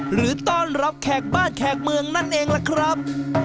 หรือต้อนรับแขกบ้านแขกเมืองนั่นเองล่ะครับ